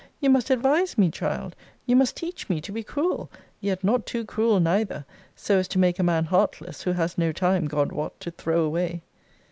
You must advise me, child: you must teach me to be cruel yet not too cruel neither so as to make a man heartless, who has no time, God wot, to throw away.'